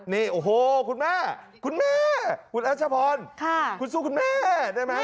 นี่โอ้โหคุณแม่คุณแม่คุณรัชพรคุณสู้คุณแม่ได้ไหม